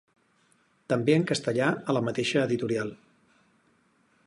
També en castellà a la mateixa editorial.